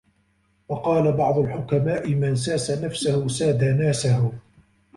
وَقَالَ بَعْضُ الْحُكَمَاءِ مَنْ سَاسَ نَفْسَهُ سَادَ نَاسَهُ